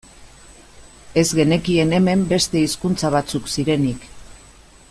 Ez genekien hemen beste hizkuntza batzuk zirenik.